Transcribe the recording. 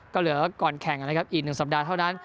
ก็เหลือก่อนแข่งนะครับอีก๑สัปดาห์เท่านั้น